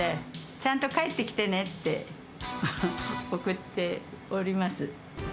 ちゃんと帰ってきてねって送っております。